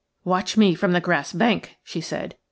"Watch me from the grass bank," she said.